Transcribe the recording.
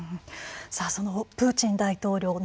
そのプーチン大統領